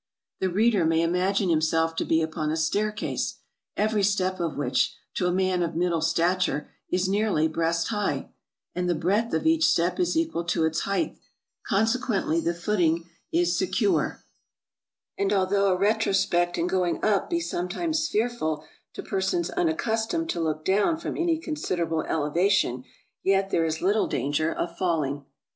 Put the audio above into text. The reader may im agine himself to be upon a staircase, every step of which, to a man of middle stature, is nearly breast high, and the breadth of each step is equal to its height, consequently the footing is secure ; and although a retrospect in going up be sometimes fearful to persons unaccustomed to look down from any considerable elevation, yet there is little danger of falling.